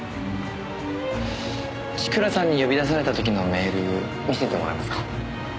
千倉さんに呼び出された時のメール見せてもらえますか？